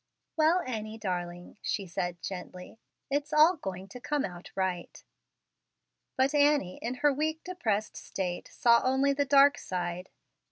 "Well, Annie, darling," she said, gently, "it's all going to come out right." But Annie, in her weak, depressed state, saw only the dark side.